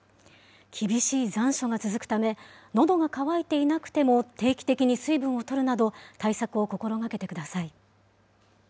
厳しい残暑が続くため、のどが渇いていなくても定期的に水分をとるなど、対策を心がけてください。